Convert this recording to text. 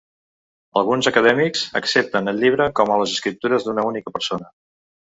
Alguns acadèmics accepten el llibre com a les escriptures d'una única persona.